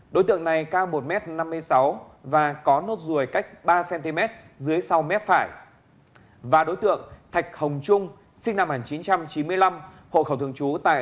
đối tượng này cao một m năm mươi sáu và có nốt ruồi cách ba cm dưới sau mép phải và đối tượng thạch hồng trung sinh năm một nghìn chín trăm chín mươi năm hộ khẩu thường trú tại